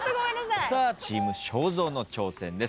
さあチーム正蔵の挑戦です。